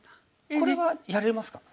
これはやれますか？